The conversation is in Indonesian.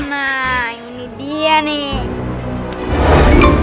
nah ini dia nih